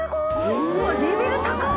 Δ錣レベル高い！